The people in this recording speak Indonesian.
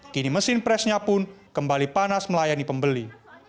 kini mesin presnya pun kembali panas melayani pembeli